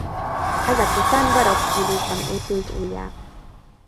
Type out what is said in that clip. Ezek után barokk stílusban épült újjá.